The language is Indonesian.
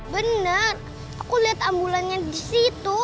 bener aku liat ambulannya di situ